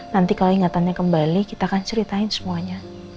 nanti kalo ingatannya kembali kita kan ceritain semuanya